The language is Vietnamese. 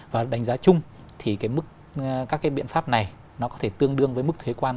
và đánh giá chung thì các cái biện pháp này nó có thể tương đương với mức thuế quan